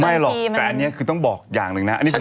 หรอกแต่อันนี้คือต้องบอกอย่างหนึ่งนะ